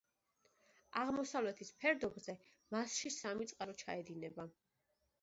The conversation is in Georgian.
აღმოსავლეთის ფერდობზე მასში სამი წყარო ჩაედინება.